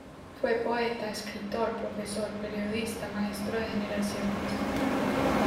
Fue poeta, escritor, profesor, periodista, maestro de generaciones.